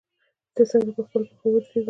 چې څنګه په خپلو پښو ودریږو.